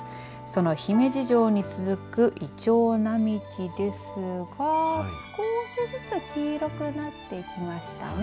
その姫路城に続くいちょう並木ですが少しずつ黄色くなってきましたね。